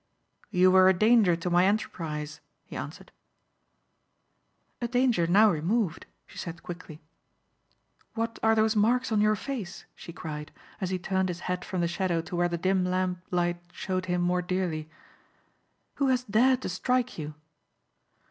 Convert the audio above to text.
"You were a danger to my enterprise," he answered. "A danger now removed," she said quickly. "What are those marks on your face?" she cried as he turned his head from the shadow to where the dim lamp light showed him more dearly. "Who has dared to strike you?"